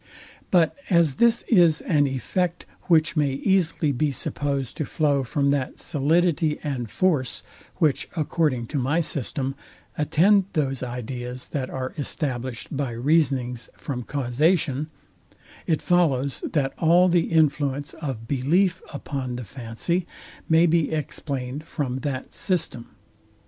But as this is an effect, which may easily be supposed to flow from that solidity and force, which, according to my system, attend those ideas that are established by reasonings from causation; it follows, that all the influence of belief upon the fancy may be explained from that system.